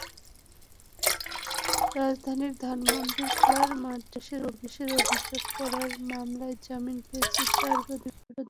রাজধানীর ধানমন্ডির খেলার মাঠে প্রবেশের অভিযোগে করা মামলায় জামিন পেয়েছেন চার পরিবেশবাদী।